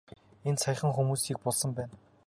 Энд саяхан хүмүүсийг булсан байна.